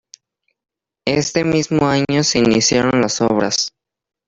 Este mismo año se iniciaron las obras.